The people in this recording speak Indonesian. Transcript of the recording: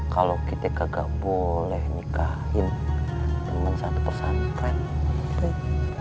kalau kita nggak boleh nikahin temen satu persatuan keren